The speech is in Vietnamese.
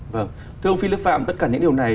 vâng thưa ông phi đức phạm tất cả những điều này